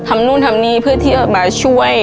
ทำนู้นทำนีเพื่อที่เรามาช่วย